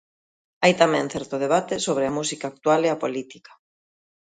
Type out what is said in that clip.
Hai tamén certo debate sobre a música actual e a política.